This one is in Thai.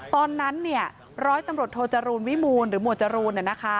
ตอนนั้นร้อยตำรวจโทจรูลวิมูลหรือหมวดจรูน